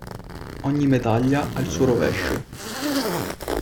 Ogni medaglia ha il suo rovescio.